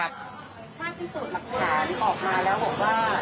ถ้าพิสูจน์หลักฐานออกมาแล้วบอกว่า